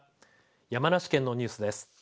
山梨県のニュースです。